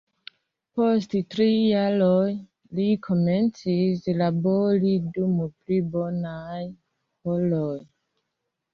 Post tri jaroj, li komencis labori dum pli bonaj horoj.